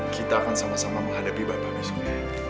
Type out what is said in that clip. kita akan sama sama menghadapi bapak besok